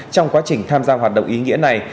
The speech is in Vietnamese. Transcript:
trong quá trình tham gia hoạt động ý nghĩa này